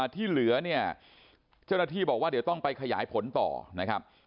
ที่เหลือเนี่ยเจ้าหน้าที่บอกว่าเดี๋ยวต้องไปขยายผลต่อนะครับ